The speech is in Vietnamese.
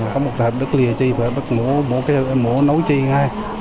có một đất lìa chi và một mũ nấu chi ngay